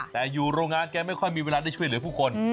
แต่อยู่โรงงานแกไม่ค่อยมีเวลาได้ช่วยเหลือผู้คน